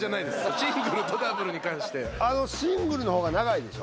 シングルとダブルに関してシングルの方が長いでしょ？